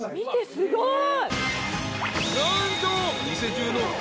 すごい。